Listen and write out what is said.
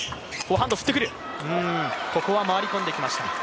ここは回り込んできました。